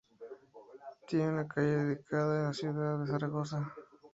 Tiene una calle dedicada en la ciudad de Zaragoza.